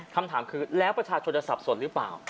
คำถามคือแล้วประชาชนจะสับสนหรือเปล่า